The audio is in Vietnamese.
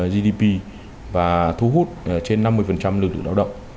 gdp và thu hút trên năm mươi lực lượng lao động